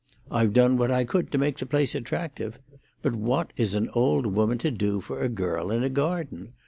I've done what I could to make the place attractive. But what is an old woman to do for a girl in a garden?